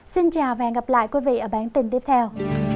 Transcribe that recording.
xin chào và hẹn gặp lại quý vị ở bản tin tiếp theo